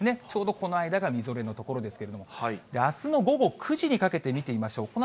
ちょうどこの間がみぞれの所ですけれども、あすの午後９時にかけて見てみましょう。